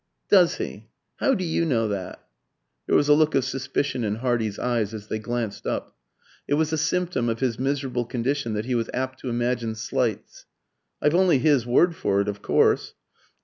"Does he? How do you know that?" There was a look of suspicion in Hardy's eyes as they glanced up. It was a symptom of his miserable condition that he was apt to imagine slights. "I've only his word for it, of course."